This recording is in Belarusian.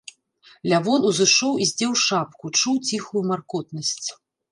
Лявон узышоў і здзеў шапку, чуў ціхую маркотнасць.